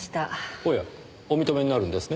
おやお認めになるんですね？